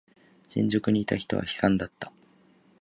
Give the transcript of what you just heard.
新宿にいた人は悲惨だった。